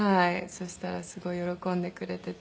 そしたらすごい喜んでくれてて。